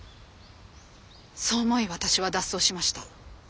そう思い私は脱走しました。